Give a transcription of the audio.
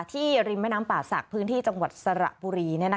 ริมแม่น้ำป่าศักดิ์พื้นที่จังหวัดสระบุรี